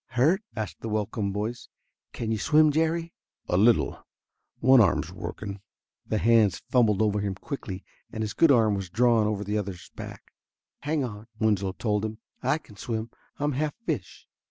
"Hurt?" asked the welcome voice. "Can you swim, Jerry?" "A little. One arm's working." The hands fumbled over him quickly, and his good arm was drawn over the other's back. "Hang on," Winslow told him. "I can swim. I'm half fish."